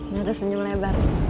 nanti senyum lebar